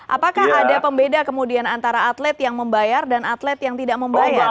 apakah ada pembeda kemudian antara atlet yang membayar dan atlet yang tidak membayar